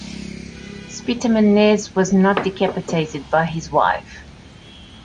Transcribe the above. Spitamenes was not decapitated by his wife.